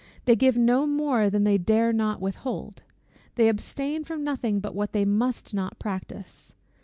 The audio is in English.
They give no more than they dare not with hold; they abstain from nothing but what they must not practise.